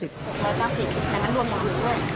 ๖๙๐บาทแต่มันร่วมอย่างอื่นด้วย